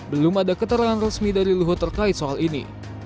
belum ada keterangan resmi dari luhut terkait soal ini